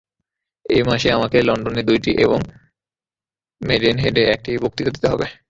এই মাসে আমাকে লণ্ডনে দুইটি এবং মেডেন-হেডে একটি বক্তৃতা দিতে হইবে।